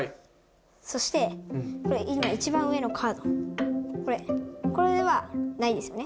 そして、今、一番上のカード、これ、これではないですよね。